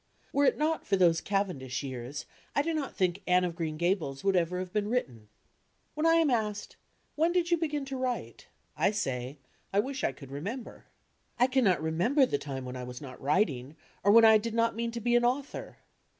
Were it not for those Givendish years, I do not think Anne of Green Gables would ever have been written. When I am asked "When did you begin to write?" I say, "I wish I could remember." I cannot remember the time when I was not writing, or when I did not mean to be an author.